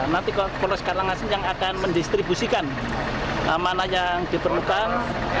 nanti polres karangasem yang akan mendistribusikan mana yang diperlukan